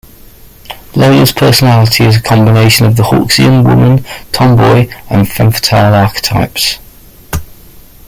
Lola's personality is a combination of the Hawksian woman, tomboy and femme fatale archetypes.